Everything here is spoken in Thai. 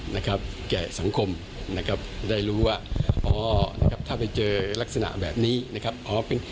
นะครับแกู้คนนะครับได้รู้ว่าไม่เจอลักษณะแบบนี้นะครับอะไรเป็น